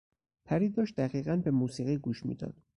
پری داشت دقیقا به موسیقی گوش میداد.